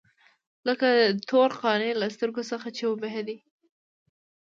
لکه د تور قانع له سترګو څخه چې وبهېدې.